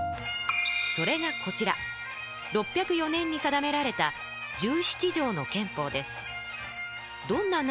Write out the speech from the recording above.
それがこちら６０４年に定められた「十七条の憲法」です。